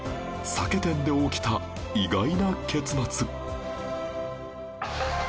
酒店で起きた意外な結末